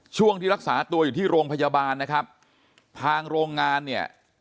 ช่วงที่รักษาตัวอยู่ที่โรงพยาบาลนะครับทางโรงงานเนี่ย